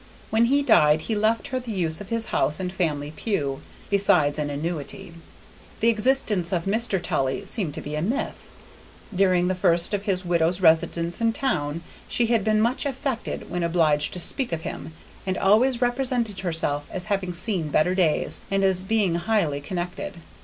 When he died he left her the use of his house and family pew, besides an annuity. The existence of Mr. Tully seemed to be a myth. During the first of his widow's residence in town she had been much affected when obliged to speak of him, and always represented herself as having seen better days and as being highly connected.